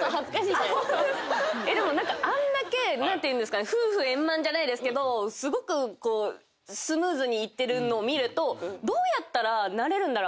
でも何かあんだけ夫婦円満じゃないですけどすごくスムーズにいってるのを見るとどうやったらなれるんだろう？